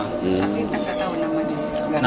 tapi tak tahu namanya